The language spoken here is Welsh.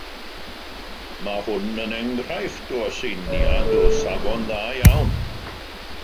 Mae hwn yn enghraifft o aseiniad o safon dda iawn